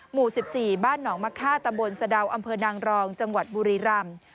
หมู่๑๔บ้านหนองมะค่าตะบนสะดาวอำเภอนางรองจังหวัดบุรีรำ